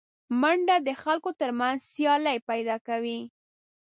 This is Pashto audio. منډه د خلکو تر منځ سیالي پیدا کوي